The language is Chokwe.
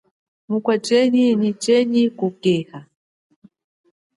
Wachenyi keshi kukeha.